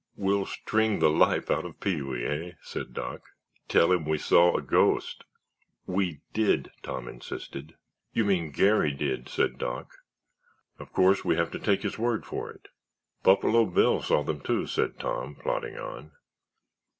"We'll string the life out of Pee wee, hey?" said Doc. "Tell him we saw a ghost——" "We did," Tom insisted. "You mean Garry did," said Doc. "Of course, we have to take his word for it." "Buffalo Bill saw them, too," said Tom, plodding on.